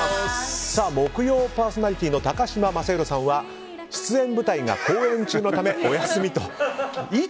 木曜パーソナリティーの高嶋政宏さんは出演舞台が公演中のためお休みと。